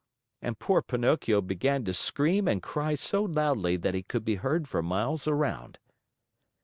And poor Pinocchio began to scream and cry so loudly that he could be heard for miles around.